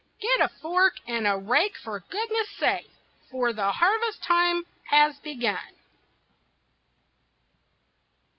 Get a fork and a rake for goodness' sake, For the harvest time has begun.